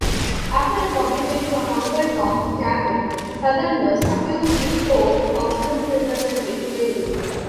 After the publication of "Uncle Tom's Cabin", Southerners accused Stowe of misrepresenting slavery.